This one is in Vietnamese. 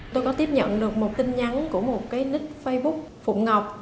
tôi có tiếp nhận được một tin nhắn của một cái nít facebook phụ ngọc